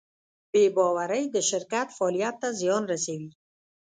بېباورۍ د شرکت فعالیت ته زیان رسوي.